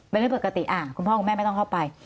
เป็นเรื่องปกติคุณพ่อคุณแม่ไม่ต้องเข้าไป